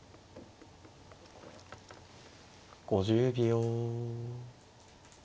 ５０秒。